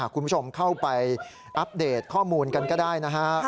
คุณผู้ชมเข้าไปอัปเดตข้อมูลกันก็ได้นะฮะ